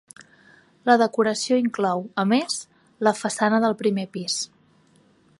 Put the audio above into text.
La decoració inclou, a més, la façana del primer pis.